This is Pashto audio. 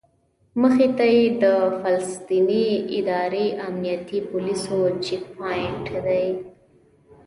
مخې ته یې د فلسطیني ادارې امنیتي پولیسو چیک پواینټ دی.